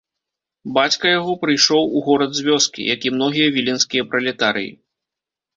Бацька яго прыйшоў у горад з вёскі, як і многія віленскія пралетарыі.